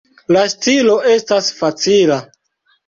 La stilo estas facila.